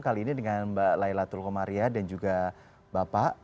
kali ini dengan mbak laila tulkomaria dan juga bapak